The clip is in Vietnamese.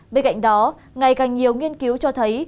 bên cạnh đó ngày càng nhiều nghiên cứu cho thấy